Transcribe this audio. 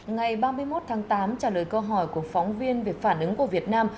ngày ba mươi một tháng tám trả lời câu hỏi của phóng viên về phản ứng của việt nam